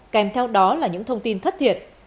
kèm theo đó là những thông tin thất thiệt